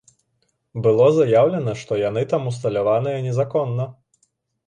Было заяўлена, што яны там усталяваныя незаконна.